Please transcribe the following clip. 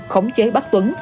khống chế bắt tuấn